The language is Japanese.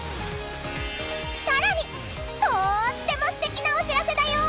さらにとーっても素敵なお知らせだよ！